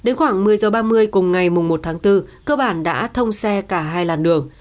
ngày một mươi ba mươi cùng ngày một bốn cơ bản đã thông xe cả hai làn đường